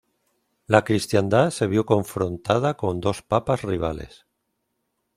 La cristiandad se vio confrontada con dos papas rivales.